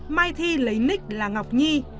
mai thi lấy nick là ngọc nhi